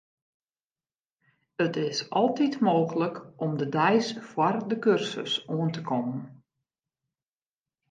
It is altyd mooglik om de deis foar de kursus oan te kommen.